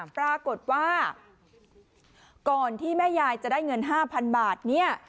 ปรากฏว่าก่อนที่แม่ยายจะได้เงิน๕๐๐๐บาทเนี่ย